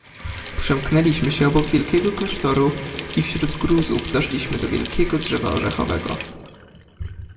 "Przemknęliśmy się obok wielkiego klasztoru i wśród gruzów doszliśmy do wielkiego drzewa orzechowego."